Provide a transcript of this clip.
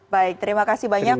baik terima kasih banyak